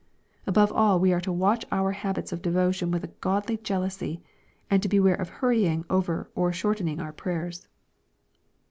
Above all we are to watch our habits of devotion with a godly jealousy, and to beware of hurrying over or short ening our prayers.